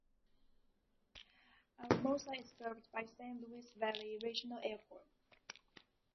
Alamosa is served by San Luis Valley Regional Airport.